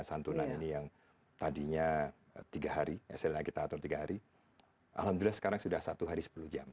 santunan ini yang tadinya tiga hari sl kita atur tiga hari alhamdulillah sekarang sudah satu hari sepuluh jam